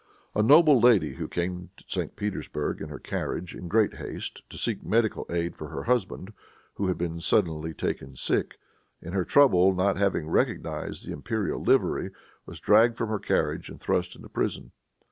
A noble lady who came to St. Petersburg in her carriage, in great haste, to seek medical aid for her husband, who had been suddenly taken sick, in her trouble not having recognized the imperial livery, was dragged from her carriage and thrust into prison.